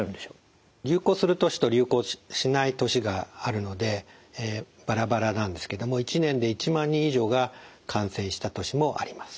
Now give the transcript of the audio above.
流行する年と流行しない年があるのでバラバラなんですけども１年で１万人以上が感染した年もあります。